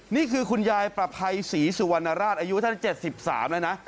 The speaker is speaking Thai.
นี่คือคุณยายประภัยศรีสุวรรณราชอายุท่าน๗๓แล้วนะ